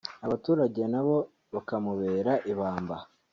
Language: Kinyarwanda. abaturage nabo bakamubera ibamba